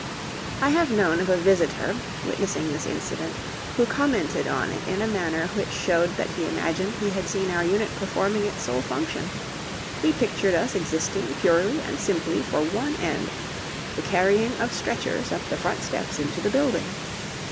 I have known of a visitor, witnessing this incident, who commented on it in a manner which showed that he imagined he had seen our unit performing its sole function; he pictured us existing purely and simply for one end the carrying of stretchers up the front steps into the building.